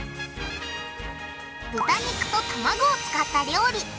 豚肉と卵を使った料理！